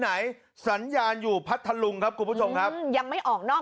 ไหนสัญญาณอยู่พัทธลุงครับคุณผู้ชมครับยังไม่ออกนอก